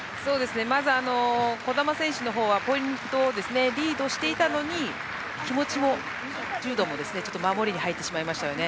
まず、児玉選手の方はポイントをリードしていたのに気持ちも柔道も守りに入ってしまいましたね。